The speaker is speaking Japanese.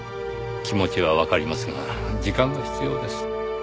気持ちはわかりますが時間が必要です。